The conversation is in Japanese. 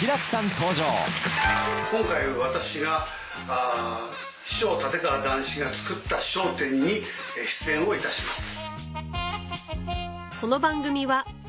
今回私が師匠立川談志が作った『笑点』に出演をいたします。